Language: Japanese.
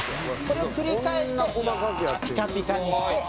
「これを繰り返してピカピカにして」